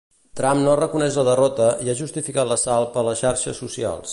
Trump no reconeix la derrota i ha justificat l'assalt per les xarxes socials.